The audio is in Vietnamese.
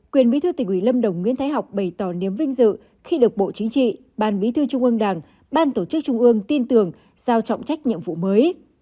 quyền mỹ thư tỉnh uỷ lâm đồng nguyễn thái học bày tỏ niếm vinh dự khi được bộ chính trị ban mỹ thư trung ương đảng ban tổ chức trung ương tin tưởng giao trọng trách nhiệm vụ mới